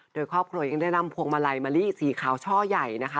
โดยครอบครัวยังได้นำพวงมาลัยมะลิสีขาวช่อใหญ่นะคะ